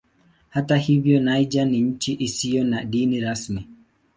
Hata hivyo Niger ni nchi isiyo na dini rasmi.